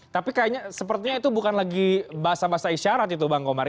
tapi sepertinya itu bukan lagi bahasa bahasa isyarat itu bang komar